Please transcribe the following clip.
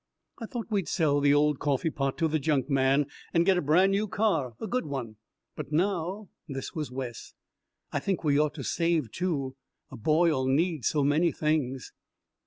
"I thought we'd sell the old coffeepot to the junkman and get a brand new car, a good one, but now " This was Wes. "I think we ought to save, too. A boy'll need so many things."